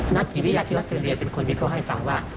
นัทจีวิยาที่อสเตอร์เงียนเป็นคนมีเขาให้ฟังว่า